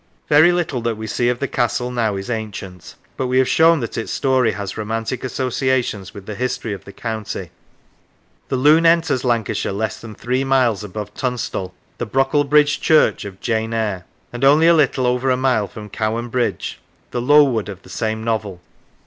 Very little that we see of the castle now is ancient, but we have shown that its story has romantic associations with the history of the county. The Lune enters Lancashire less than three miles above Tunstall, the Brocklebridge Church of " Jane Eyre," and only a little over a mile from Cowan Bridge, the " Lowood " of the same novel.